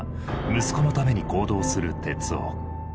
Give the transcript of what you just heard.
息子のために行動する徹生。